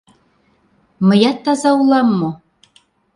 — Мыят таза улам мо?